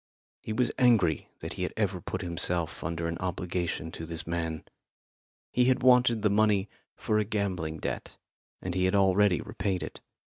He was angry that he had ever put himself under an obligation to this man. He had wanted the money for a gambling debt, and he had already repaid it.